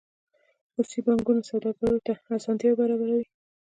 خصوصي بانکونه سوداګرو ته اسانتیاوې برابروي